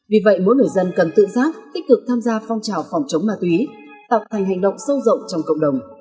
vì vậy mỗi người dân cần tự giác tích cực tham gia phong trào phòng chống ma túy tạo thành hành động sâu rộng trong cộng đồng